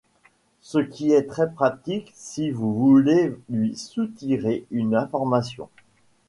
Ce qui est très pratique si vous voulez lui soutirer une information.